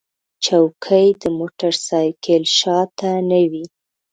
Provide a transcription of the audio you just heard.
چوکۍ د موټر سایکل شا ته نه وي.